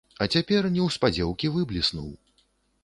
А цяпер неўспадзеўкі выбліснуў.